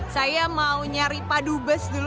saya mau nyari padu bus dulu